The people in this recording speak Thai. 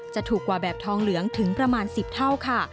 จะถูกกว่าแบบทองเหลืองถึงประมาณ๑๐เท่าค่ะ